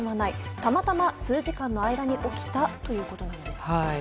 たまたま数時間の間に起きたということです。